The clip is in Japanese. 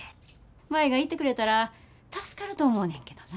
舞が行ってくれたら助かると思うねんけどな。